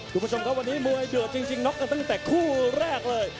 คุณผู้ชมครับวันนี้มวยเดือดจริงน็อกกันตั้งแต่คู่แรกเลย